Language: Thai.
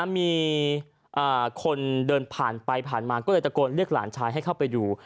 มีคนเดินผ่านไปผ่านมาก็เลยตะโกนเรียกหลานชายให้เข้าไปดู